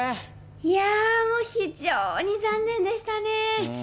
いやぁ、もう非常に残念でしたね。